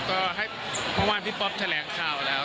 ก็ให้เมื่อวานพี่ป๊อปแถลงข่าวแล้ว